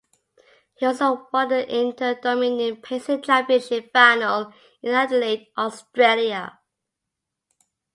He also won the Inter Dominion Pacing Championship final in Adelaide, Australia.